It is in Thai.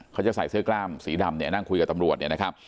เขาจะใส่เสื้อกล้ามสีดำนั่งคุยกับตำรวจ